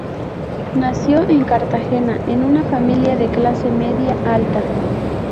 Nació en Cartagena, en una familia de clase media alta.